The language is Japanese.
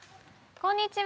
こんにちは。